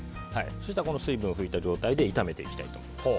水分を拭いた状態で炒めていこうと思います。